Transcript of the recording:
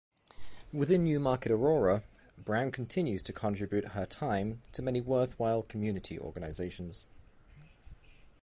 Within Newmarket-Aurora, Brown continues to contribute her time to many worthwhile community organizations.